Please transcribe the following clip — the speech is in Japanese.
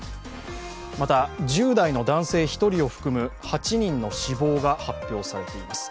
また、１０代の男性１人を含む８人の死亡が発表されています。